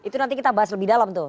itu nanti kita bahas lebih dalam tuh